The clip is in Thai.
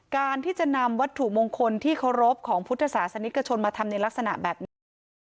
การที่จะนำวัตถุมงคลที่เคารพของพุทธศาสนิกชนมาทำในลักษณะแบบนี้